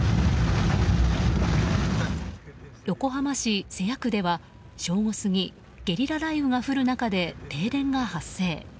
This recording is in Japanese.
横浜市瀬谷区では正午過ぎゲリラ雷雨が降る中で停電が発生。